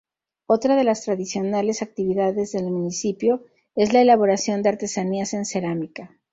Otra de las tradicionales actividades del municipio es la elaboración de artesanías en cerámica.